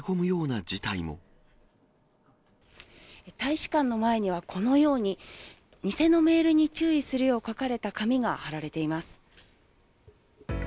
一方、大使館の前にはこのように、偽のメールに注意するよう書かれた紙が貼られています。